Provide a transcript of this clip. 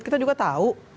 kita juga tahu